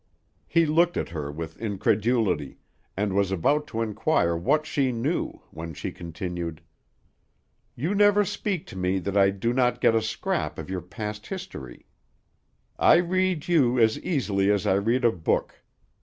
He looked at her with incredulity, and was about to inquire what she knew, when she continued: "You never speak to me that I do not get a scrap of your past history; I read you as easily as I read a book.